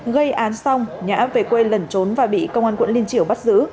gây án xong nhã về quê lẩn trốn và bị công an quận liên triểu bắt giữ